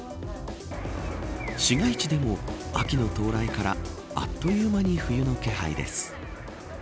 市街地でも秋の到来からあっという間に冬の気配です